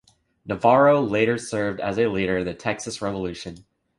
Navarro later served as a leader in the Texas Revolution.